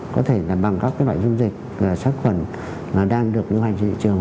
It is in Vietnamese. có thể là bằng các cái loại dung dịch sát khuẩn mà đang được nguyên hành trên thị trường